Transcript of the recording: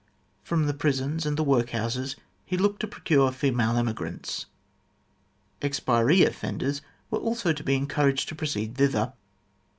From the prisons and the workhouses he looked to procure female emigrants. Expiree offenders were also to be encouraged to proceed thither.